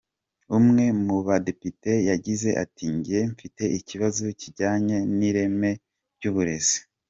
Umwe mu badepite yagize ati” njye mfite ikibazo kijyanye n’ireme ry’uburezi.